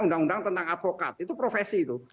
undang undang tentang advokat itu profesi itu